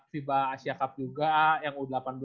fiba asia cup juga yang u delapan belas